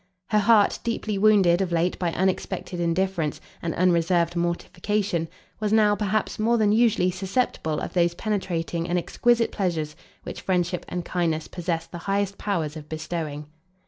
Her heart, deeply wounded of late by unexpected indifference, and unreserved mortification, was now, perhaps, more than usually susceptible of those penetrating and exquisite pleasures which friendship and kindness possess the highest powers of bestowing.